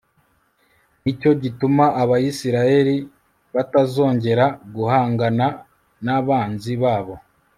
ni cyo gituma abayisraheli batazongera guhangana n'abanzi babo